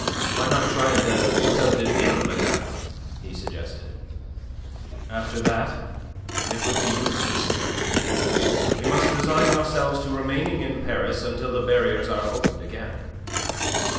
"Why not try the Hotel de Ville, madame?" he suggested. "After that? It would be useless. We must resign ourselves to remaining in Paris until the barriers are opened again."